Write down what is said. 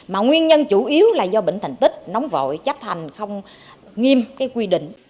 mà nguyên nhân chủ yếu là do bệnh thành tích nóng vội chấp hành không nghiêm quy định